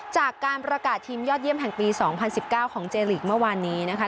จากการประกาศทีมยอดเยี่ยมแห่งปี๒๐๑๙ของเจลีกเมื่อวานนี้นะคะ